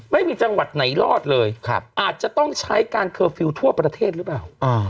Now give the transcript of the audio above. ไม่มีจังหวัดไหนรอดเลยอาจจะต้องใช้การเคอร์ฟิลล์ทั่วประเทศหรือเปล่า